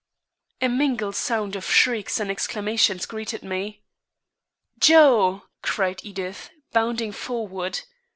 A mingled sound of shrieks and exclamations greeted me. "Joe!" cried Edith, bounding forward.